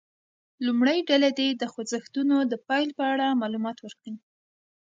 لومړۍ ډله دې د خوځښتونو د پیل په اړه معلومات ورکړي.